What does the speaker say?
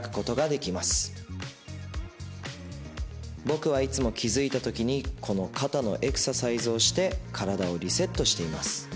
僕はいつも気付いたときにこの肩のエクササイズをして体をリセットしています。